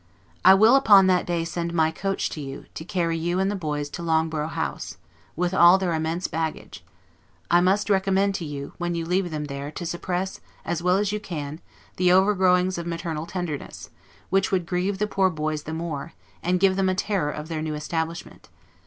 I will upon that day send my coach to you, to carry you and the boys to Loughborough House, with all their immense baggage. I must recommend to you, when you leave them there, to suppress, as well as you can, the overgrowings of maternal tenderness; which would grieve the poor boys the more, and give them a terror of their new establishment.